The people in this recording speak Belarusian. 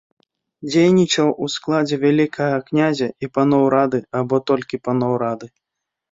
Дзейнічаў у складзе вялікага князя і паноў рады або толькі паноў рады.